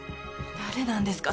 誰なんですか？